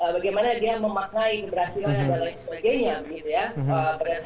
bagaimana dia memakai keberhasilannya dan lain sebagainya